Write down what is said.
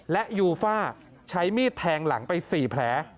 และยูฟ่าใช้มีดแทงหลังไป๔แผล